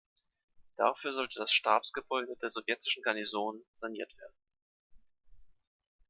Dafür sollte das Stabsgebäude der sowjetischen Garnison saniert werden.